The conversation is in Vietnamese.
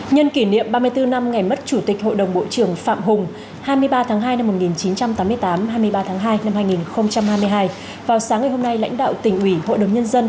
nhân kỷ niệm ba mươi bốn năm ngày mất chủ tịch hội đồng bộ trưởng phạm hùng hai mươi ba tháng hai năm một nghìn chín trăm tám mươi tám hai mươi ba tháng hai năm hai nghìn hai mươi hai vào sáng ngày hôm nay lãnh đạo tỉnh ủy hội đồng nhân dân